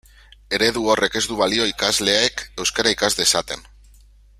Eredu horrek ez du balio ikasleek euskara ikas dezaten.